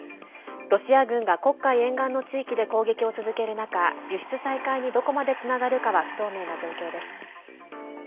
ロシア軍が黒海沿岸の地域で攻撃を続ける中輸出再開にどこまでつながるかは不透明な状況です。